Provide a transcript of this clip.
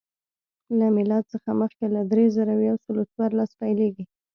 له میلاد څخه مخکې له درې زره یو سل څوارلس پیلېږي